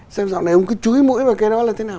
sao dạo này ông cứ chúi mũi và cái đó là thế nào